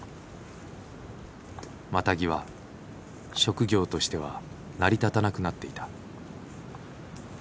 マタギは職業としては成り立たなくなっていた。